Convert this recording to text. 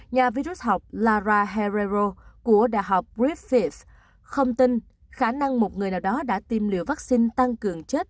nhà vi rút học lara herrero của đại học griffith không tin khả năng một người nào đó đã tiêm liều vắc xin tăng cường chết